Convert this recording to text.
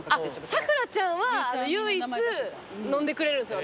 咲楽ちゃんは唯一飲んでくれるんですよ